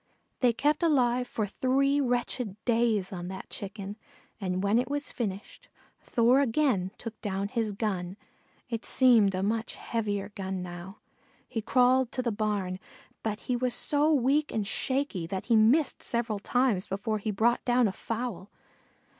They kept alive for three wretched days on that Chicken, and when it was finished Thor again took down his gun it seemed a much heavier gun now. He crawled to the barn, but he was so weak and shaky that he missed several times before he brought down a fowl.